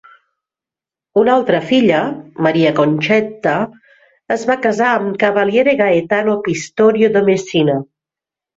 Una altra filla, Maria Concetta, es va casar amb Cavaliere Gaetano Pistorio de Messina.